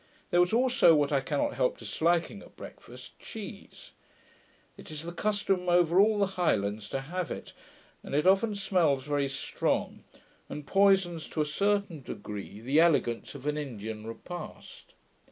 There was also, what I cannot help disliking at breakfast, cheese: it is the custom over all the Highlands to have it; and it often smells very strong, and poisons to a certain degree the elegance of an Indian repast.